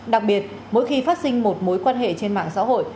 đặc biệt mỗi khi phát sinh một mối quan hệ trên mạng xã hội